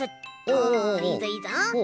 おいいぞいいぞ！